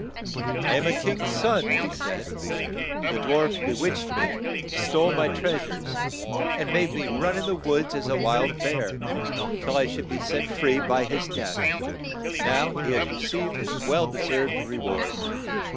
"I am a king's son," he said. "The dwarf be witched me, stole my treas ures, and made me run in the woods as a wild KING ROUG II BEARD 37 bear till I should be set free by his death. Now he has re ceived his well de served re ward."